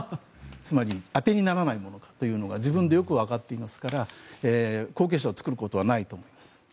つまり当てにならないものというのが自分でよくわかっていますから後継者を作ることはないと思います。